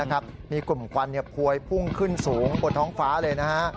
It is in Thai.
นะครับมีกลุ่มกวนพวกภูมิขึ้นสูงบนท้องฟ้าเลยนะ